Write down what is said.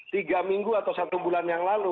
tiga minggu atau satu bulan yang lalu